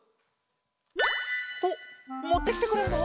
おっもってきてくれるの？